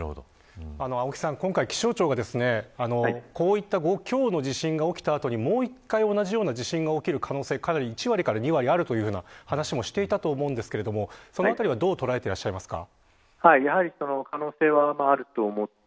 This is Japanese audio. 青木さん、今回気象庁がこういった５強の地震が起きた後にも同じような地震が起きる可能性１割から２割あるという話をしていたと思いますがそのあたりはどう捉えていますか。